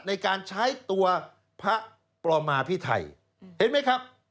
ในการใช้ตัวพระประมาพิไทยเห็นไหมครับ